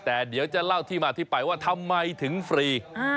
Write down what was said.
แต่เดี๋ยวจะเล่าที่มาที่ไปว่าทำไมถึงฟรี